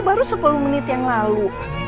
baru sepuluh menit yang lalu